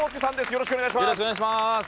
よろしくお願いします！